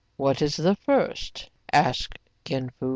'* "What is the first? asked Kin Fo.